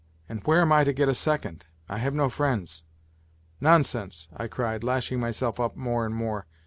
And where am I to get a second ? I have no friends. Non sense !" I cried, lashing myself lip more and more.